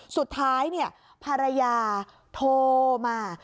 สุดท้ายเนี่ยภรรยาโทรมา